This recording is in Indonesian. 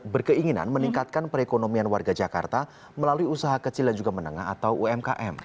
berkeinginan meningkatkan perekonomian warga jakarta melalui usaha kecil dan juga menengah atau umkm